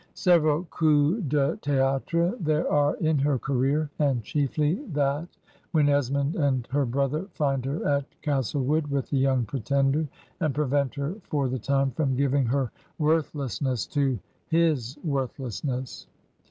Sev eral coups de th46tre there are in her career, and chiefly that when Esmond and her brother find her at Castle wood with the yoimg Pretender, and prevent her for the time from giving her worthlessness to his worth lessness.